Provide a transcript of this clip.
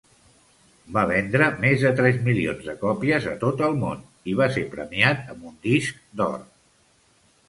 Va vendre més de tres milions de còpies a tot el món, i va ser premiat amb un disc d'or.